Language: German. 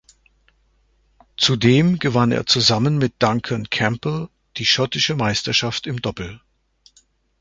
Zudem gewann er zusammen mit Duncan Campbell die schottische Meisterschaft im Doppel.